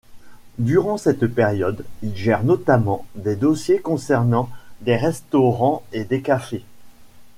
Durant cette période, il gère notamment des dossiers concernant des restaurants et des cafés.